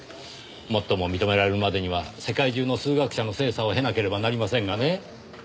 もっとも認められるまでには世界中の数学者の精査を経なければなりませんがね。